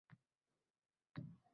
Nur ustiga aʼlo nur boʻlar edi.